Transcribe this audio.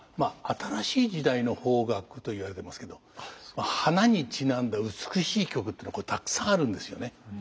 新しい時代の邦楽といわれてますけど花にちなんだ美しい曲っていうのはこれたくさんあるんですよね。